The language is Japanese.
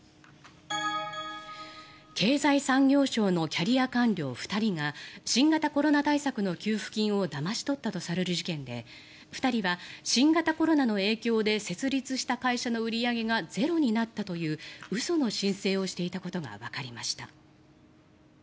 経済産業省のキャリア官僚２人が新型コロナ対策の給付金をだまし取ったとされる事件で２人は、新型コロナの影響で設立した会社の売り上げがゼロになったという嘘の申請をしていたことがわかりました。